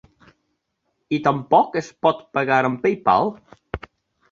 I tampoc es pot pagar amb PayPal?